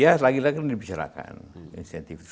ya lagi lagi dibicarakan